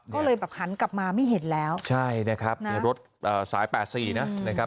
ก็เลยแบบหันกลับมาไม่เห็นแล้วใช่นะครับในรถสายแปดสี่นะครับ